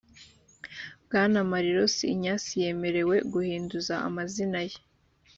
bwana malirosi ignace yemerewe guhinduza amazina ye